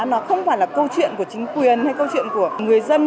nó không phải là câu chuyện của chính quyền hay câu chuyện của người dân